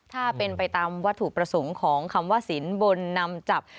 ถ้าเป็นไปตามวัตถุประสงค์ของคำว่าสินบนนำจับ